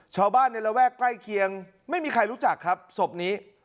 ชาวบ้านในระแวกใกล้เคียงไม่มีใครรู้จักครับศพนี้